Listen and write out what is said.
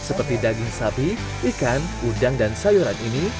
seperti daging sapi ikan udang dan sayuran ini